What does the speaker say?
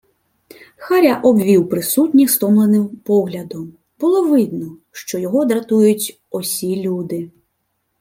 Харя обвів присутніх стомленим поглядом — було видно, що його дратують осі люди.